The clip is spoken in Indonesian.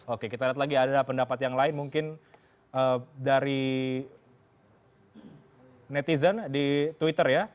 oke kita lihat lagi ada pendapat yang lain mungkin dari netizen di twitter ya